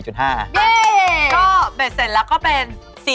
ของเบดเสร็จแล้วก็เป็น๔๗๕